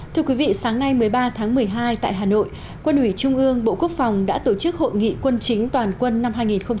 thưa quý vị sáng nay một mươi ba tháng một mươi hai tại hà nội quân ủy trung ương bộ quốc phòng đã tổ chức hội nghị quân chính toàn quân năm hai nghìn một mươi chín